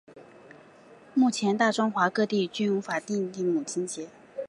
目前大中华各地区均无法定的母亲节。